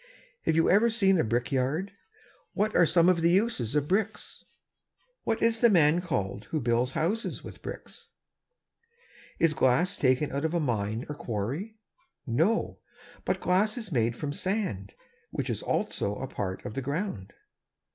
Have you ever seen a brick yard? What are some of the uses of bricks? What is the man called who builds houses of bricks? Is glass taken out of a mine or quarry? No; but glass is made from sand; which is also a part of the ground.